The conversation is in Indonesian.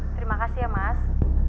terima kasih ya mas